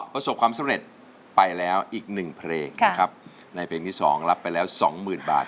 ประสบความสำเร็จไปแล้วอีกหนึ่งเพลงนะครับในเพลงที่สองรับไปแล้วสองหมื่นบาท